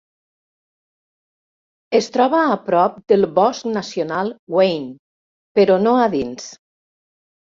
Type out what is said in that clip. Es troba a prop del Bosc Nacional Wayne, però no a dins.